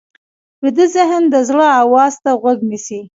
ویده ذهن د زړه آواز ته غوږ نیسي